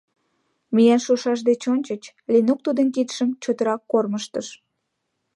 Миен шушаш деч ончыч Ленук тудын кидшым чотрак кормыжтыш.